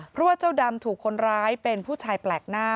เพราะว่าเจ้าดำถูกคนร้ายเป็นผู้ชายแปลกหน้า